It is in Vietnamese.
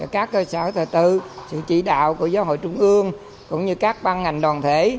các cơ sở thờ tự sự chỉ đạo của giáo hội trung ương cũng như các ban ngành đoàn thể